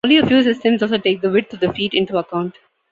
Only a few systems also take the width of the feet into account.